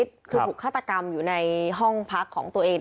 คือถูกฆาตกรรมอยู่ในห้องพักของตัวเอง